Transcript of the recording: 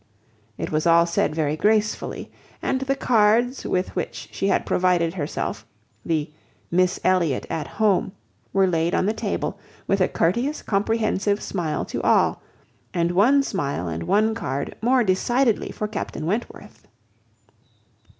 It was all said very gracefully, and the cards with which she had provided herself, the "Miss Elliot at home," were laid on the table, with a courteous, comprehensive smile to all, and one smile and one card more decidedly for Captain Wentworth.